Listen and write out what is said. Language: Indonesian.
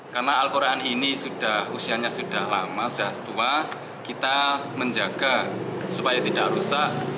karena al quran ini usianya sudah lama sudah tua kita menjaga supaya tidak rusak